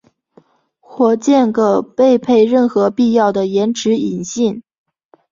火箭可配备任何必要的延迟引信。